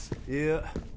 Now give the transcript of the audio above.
いや